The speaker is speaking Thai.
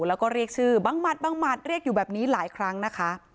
แล้วก็เรียกชื่อบังหมัดบังหมัดเรียกอยู่แบบนี้หลายครั้งนะคะ